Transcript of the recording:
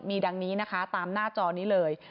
มีดังนี้นะคะตามหน้าจอนี้เลย